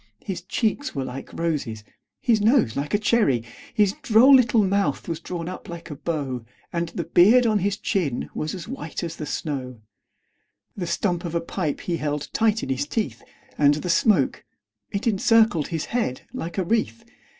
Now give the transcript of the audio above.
His cheeks were like roses, his nose like a cherry; His droll little mouth was drawn up like a bow, And the beard on his chin was as white as the snow; The stump of a pipe he held tight in his teeth, And the smoke, it encircled his head like a wreath.